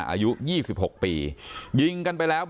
ท่านดูเหตุการณ์ก่อนนะครับ